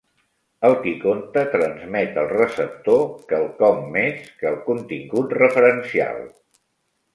El qui conta transmet al receptor quelcom més que el contingut referencial.